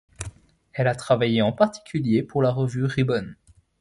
Elle a travaillé en particulier pour la revue Ribon.